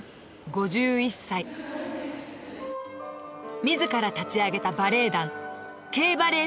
５１歳自ら立ち上げたバレエ団Ｋバレエ